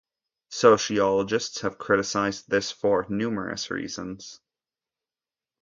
Sociologists have criticized this for numerous reasons.